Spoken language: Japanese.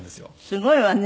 すごいわね。